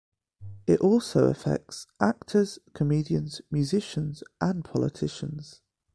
It also affects actors, comedians, musicians, and politicians.